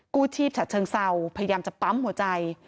กู้ชีพฉัดเชิงเศร้าพยายามจะปั๊มหัวใจ